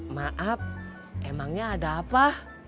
maaf emangnya ada apa